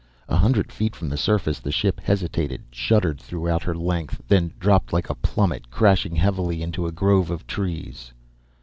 A hundred feet from the surface, the ship hesitated, shuddered throughout her length, then dropped like a plummet, crashing heavily into a grove of trees.